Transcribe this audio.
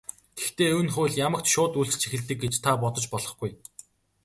Гэхдээ энэ хууль ямагт шууд үйлчилж эхэлдэг гэж та бодож болохгүй.